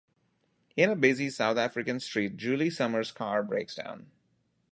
In a busy South African street, Julie Summers' car breaks down.